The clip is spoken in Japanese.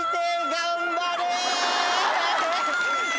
頑張れ。